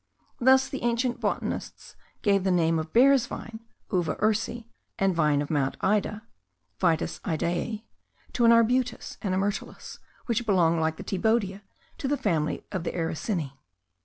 Thus the ancient botanists gave the name of bear's vine, uva ursi, and vine of Mount Ida (Vitis idaea), to an arbutus and a myrtillus, which belong, like the thibaudia, to the family of the Ericineae.)